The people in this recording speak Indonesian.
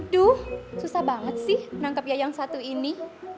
duh susah banget sih menangkap ya yang satu ini